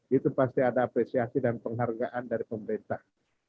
itu pasti ada apresiasi dan penghargaan dari pemerintah